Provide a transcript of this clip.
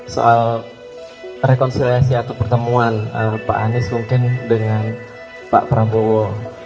soal rekonsiliasi atau pertemuan pak anies mungkin dengan pak prabowo